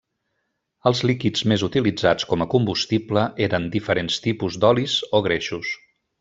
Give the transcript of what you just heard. Els líquids més utilitzats com a combustible eren diferents tipus d'olis o greixos.